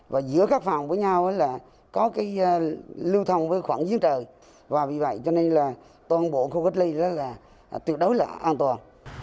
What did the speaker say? và giữa các phòng với nhau là có cái lưu thông với khoảng giếng trời và vì vậy cho nên là toàn bộ khu cách ly đó là tuyệt đối là an toàn